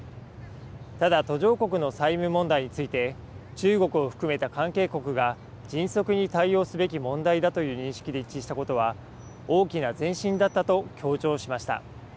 ただ、途上国の債務問題について、中国を含めた関係国が迅速に対応すべき問題だという認識で一致したことは、大きな前進だったと強調しました。